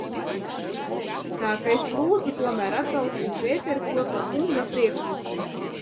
Tā ka es lūdzu tomēr atbalstīt Pēterkopa kunga priekšlikumu.